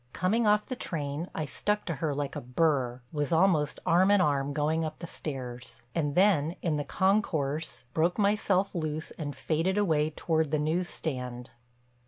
Coming off the train I stuck to her like a burr, was almost arm in arm going up the stairs, and then in the concourse broke myself loose and faded away toward the news stand.